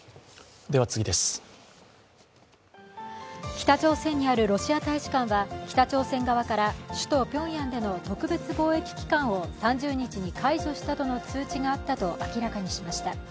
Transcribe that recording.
北朝鮮にあるロシア大使館は北朝鮮側から首都ピョンヤンでの特別防疫期間を３０日に解除したとの通知があったと明らかにしました。